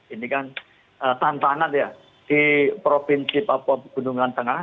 ini kan tantangan ya di provinsi papua pegunungan tengah